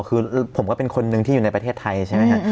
คือผมก็เป็นคนหนึ่งที่อยู่ในประเทศไทยใช่ไหมครับ